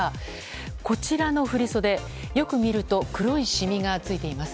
こちらの振り袖、よく見ると黒い染みがついています。